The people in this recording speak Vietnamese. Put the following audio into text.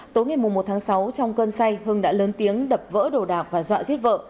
tối ngày một tháng sáu trong cơn say hưng đã lớn tiếng đập vỡ đồ đạc và dọa giết vợ